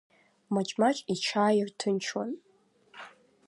Маҷ-маҷ иҽааирҭынчуан.